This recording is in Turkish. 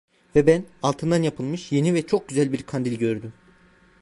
Ve ben, altından yapılmış yeni ve çok güzel bir kandil gördüm.